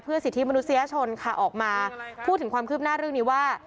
สิทธิมนุษยชนค่ะออกมาพูดถึงความคืบหน้าเรื่องนี้ว่า